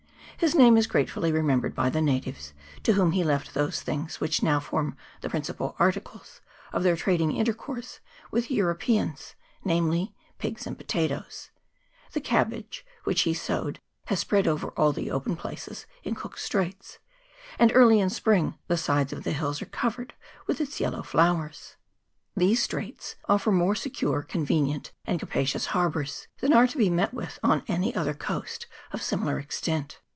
His name is gratefully remembered by the natives, to whom he left those things which now form the principal articles of their trading intercourse with the Europeans, namely, pigs and potatoes; the cabbage, which he sowed, has spread over all the open places in Cook's Straits, and early in spring the sides of the hills are covered with its yellow flowers. These straits oifer more secure, convenient, and 186 COOK'S STRAITS. [PART i. capacious harbours than are to be met with on any other coast of similar extent.